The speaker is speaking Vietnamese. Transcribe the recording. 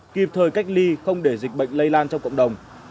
kịp thời cách ly không để dịch bệnh lây lan trong cộng đồng